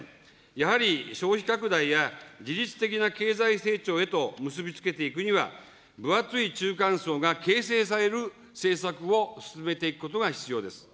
やはり消費拡大や自律的な経済成長へと結び付けていくには、分厚い中間層が形成される政策を進めていくことが必要です。